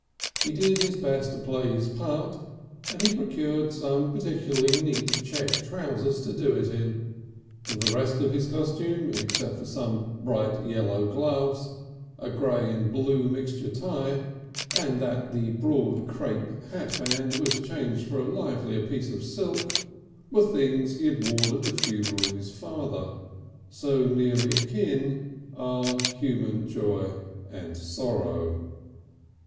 He did his best to play his part, and he procured some particularly neat check trousers to do it in. The rest of his costume, except for some bright yellow gloves, a grey and blue mixture tie, and that the broad crape hat band was changed for a livelier piece of silk, were the things he had worn at the funeral of his father. So nearly akin are human joy and sorrow.